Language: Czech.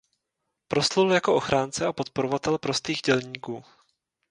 Proslul jako ochránce a podporovatel prostých dělníků.